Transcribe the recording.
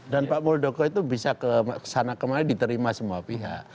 dan pak murdoko itu bisa ke sana kemarin diterima semua pihak